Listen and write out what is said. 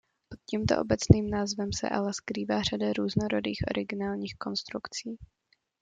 Pod tímto obecným názvem se ale skrývá řada různorodých originálních konstrukcí.